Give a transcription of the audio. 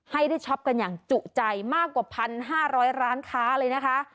ให้ได้ช็อปกันอย่างจุใจมากกว่า๑๕๐๐ร้านค้าเลยนะคะ